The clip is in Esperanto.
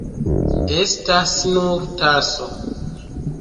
Estas nur taso.